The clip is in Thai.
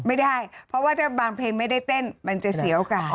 ไม่ได้เพราะว่าถ้าบางเพลงไม่ได้เต้นมันจะเสียโอกาส